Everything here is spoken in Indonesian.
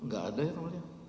gak ada ya ngomongnya